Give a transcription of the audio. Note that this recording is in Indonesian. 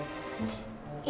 om jin jangan